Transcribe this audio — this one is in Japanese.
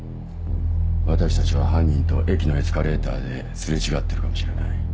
私たちは犯人と駅のエスカレーターで擦れ違ってるかもしれない。